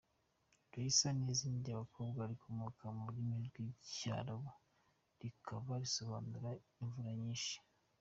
Raissa ni izina ry’abakobwa rikomoka ku rurimi rw’Icyarabu rikaba risobanura “Imvura nyinshi”.